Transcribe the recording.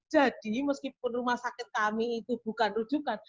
jadi meskipun rumah sakit kami itu bukan rujukan